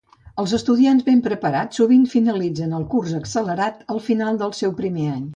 Els estudiants ben preparats sovint finalitzen el curs accelerat al final del seu primer any.